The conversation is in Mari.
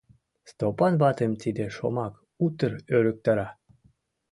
Стопан ватым тиде шомак утыр ӧрыктара.